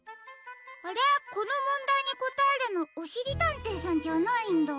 あれこのもんだいにこたえるのおしりたんていさんじゃないんだ。